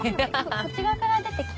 こっち側から出てきて。